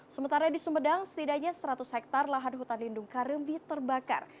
sementara di sumedang setidaknya seratus hektare lahan hutan lindung karimbi terbakar